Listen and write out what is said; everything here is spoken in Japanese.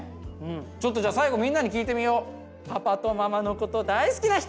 ちょっとじゃあ最後みんなに聞いてみよう。